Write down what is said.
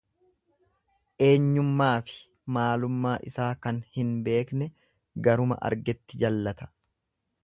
Eenyummaafi maalummaa isaa kan hin beekne garuma argetti jallata.